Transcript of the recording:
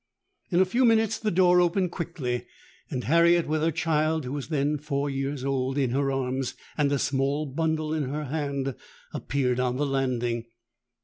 In a few minutes the door opened quickly, and Harriet, with her child (who was then four years old) in her arms and a small bundle in her hand, appeared on the landing.